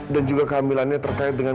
dan juga kehamilannya terkait dengan